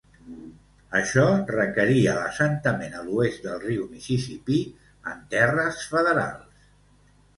Això requeria l'assentament a l'oest del riu Mississipí en terres federals.